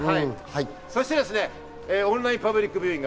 そしてオンラインパブリックビューイング